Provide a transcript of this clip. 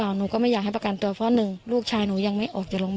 อายุ๑๐ปีนะฮะเขาบอกว่าเขาก็เห็นถูกยิงนะครับ